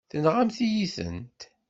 Tenɣamt-iyi-tent.